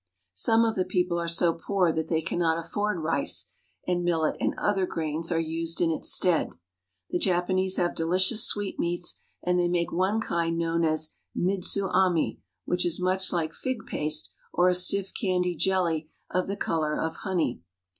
Some of the people are so poor that they cannot afford rice, and millet and other grains are used in its stead. The Japanese have delicious sweet meats, and they make one kind known as midzu ami, which is much like fig paste or a stiff candy jelly of the color of honey.